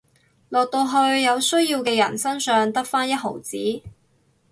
落到去有需要嘅人身上得返一毫子